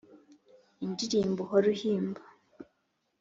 Indirimbo uhora uhimba